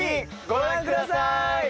ご覧ください。